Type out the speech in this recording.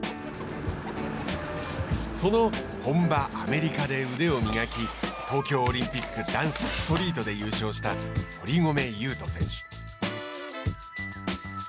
その本場、アメリカで腕を磨き東京オリンピック男子ストリートで優勝した堀米雄斗選手。